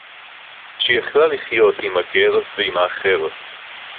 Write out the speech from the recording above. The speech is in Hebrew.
שהיא יכלה לחיות עם הגר ועם האחר